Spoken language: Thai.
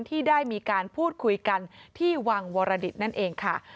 ที่ได้มีการพูดคุยกันที่วังวรดิตนั่นเองค่ะ